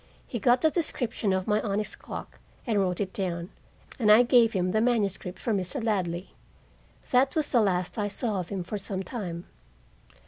He got the description of my onyx clock and wrote it down, and I gave him the manuscript for Mr. Ladley. That was the last I saw of him for some time.